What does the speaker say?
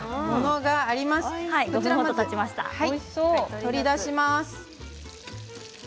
取り出します。